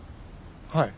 はい。